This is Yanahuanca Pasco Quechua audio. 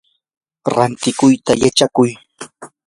rantikuyta yachakuy.